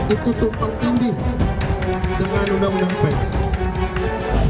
itu tumpang tinggi dengan undang undang pes